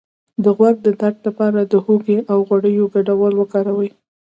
د غوږ د درد لپاره د هوږې او غوړیو ګډول وکاروئ